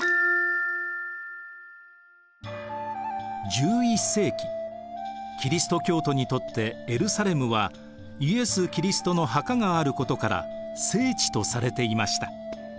１１世紀キリスト教徒にとってエルサレムはイエス・キリストの墓があることから聖地とされていました。